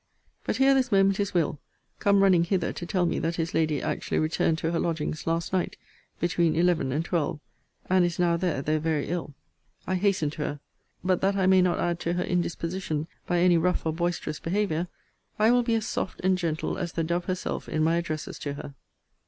But here this moment is Will. come running hither to tell me that his lady actually returned to her lodgings last night between eleven and twelve; and is now there, though very ill. I hasten to her. But, that I may not add to her indisposition, by any rough or boisterous behaviour, I will be as soft and gentle as the dove herself in my addresses to her.